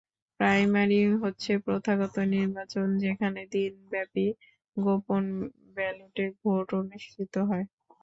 Primary হচ্ছে প্রথাগত নির্বাচন, যেখানে দিনব্যাপী গোপন ব্যালটে ভোট অনুষ্ঠিত হয়।